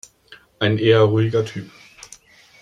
Ein eher ruhiger Typ.